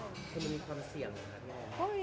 คือมันมีความเสี่ยงค่ะ